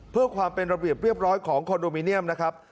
เพื่อความเป็นระเบียบเรียบร้อยของคอนโดมิเนียมนะครับ